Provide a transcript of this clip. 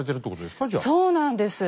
そうなんです。